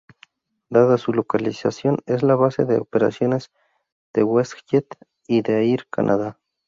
Dada su localización es la base de operaciones de WestJet y de Air Canada.